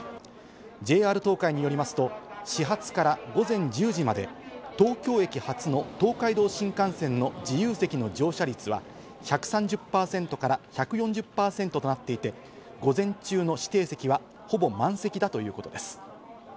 ＪＲ東海によりますと、始発から午前１０時まで、東京駅発の東海道新幹線の自由席の乗車率は、１３０％から１４０％となっていて、午前中の指定席はほぼ満席だということです。